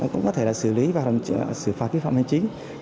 cũng có thể là xử lý và xử phạt vi phạm hành chính